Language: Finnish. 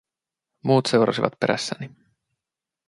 Muut seurasivat perässäni.